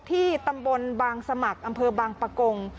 ที่ตำบลบางสมัครอำเภอบางปะกง